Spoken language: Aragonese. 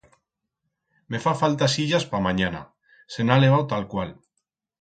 Me fa falta sillas pa manyana, se'n ha levau talcual.